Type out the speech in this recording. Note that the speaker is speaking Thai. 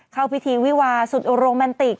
เข้าพิธีวิวาสุดโอโรแมนติก